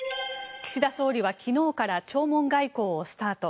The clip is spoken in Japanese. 岸田総理は昨日から弔問外交をスタート。